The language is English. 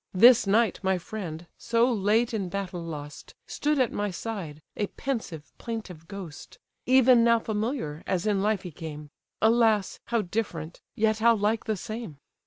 This night my friend, so late in battle lost, Stood at my side, a pensive, plaintive ghost: Even now familiar, as in life, he came; Alas! how different! yet how like the same!"